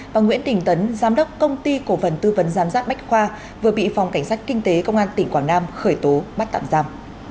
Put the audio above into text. và nguyễn đình tấn giám đốc công ty cổ phần tư vấn giám sát bách khoa vừa bị phòng cảnh sát kinh tế công an tỉnh quảng nam khởi tố bắt tạm giam